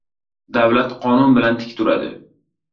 • Davlat qonun bilan tik turadi.